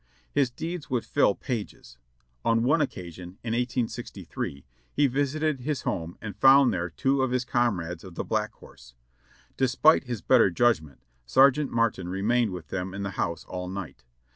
His deeds would fill pages. On one occasion, in 1863, he visited his home and found there two of his comrades of the Black Horse. Despite his better judgment, Sergeant Martm remained with them in the house all night.